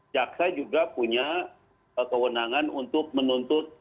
jaksa juga punya kewenangan untuk menuntut